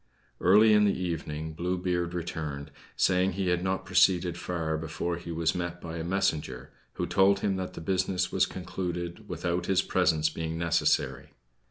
Early in the evening Blue Beard returned, saying he had not proceeded far before he was met by a messenger, who told him that the business was concluded without his presence being necessary.